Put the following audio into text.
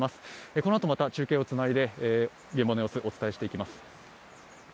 このあと、また中継をつないで現場の様子お伝えしていきます。